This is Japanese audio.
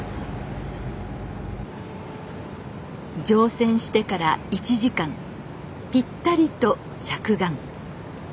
乗船してから１時間ぴったりと着岸。